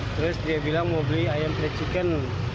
terus dia bilang mau beli ayam free chicken